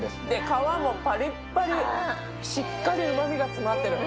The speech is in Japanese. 皮もパリッパリ、しっかりうまみが詰まってる。